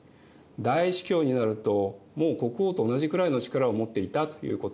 大司教になるともう国王と同じくらいの力を持っていたということもありました。